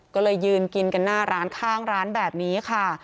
ก็เลยยืนกินกันหน้าร้านข้างร้านแบบนี้ค่ะ